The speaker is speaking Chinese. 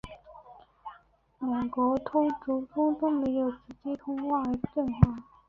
两国总统都没有直接通过电话